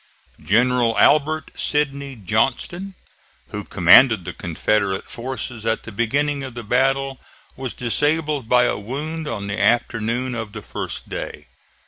General Albert Sidney Johnston, who commanded the Confederate forces at the beginning of the battle, was disabled by a wound on the afternoon of the first day.